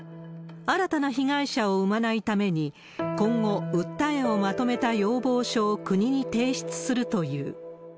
新たな被害者を生まないために、今後、訴えをまとめた要望書を国に提出するという。